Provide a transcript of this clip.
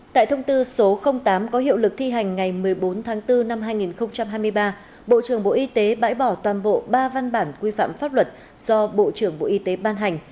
tại thông tư số tám có hiệu lực thi hành ngày một mươi bốn tháng bốn năm hai nghìn hai mươi ba bộ trưởng bộ y tế bãi bỏ toàn bộ ba văn bản quy phạm pháp luật do bộ trưởng bộ y tế ban hành